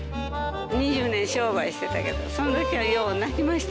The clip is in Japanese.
２０年商売してたけど、そのときはよう泣きました。